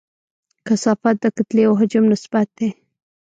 کثافت د کتلې او حجم نسبت دی.